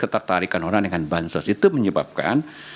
ketertarikan orang dengan bansos itu menyebabkan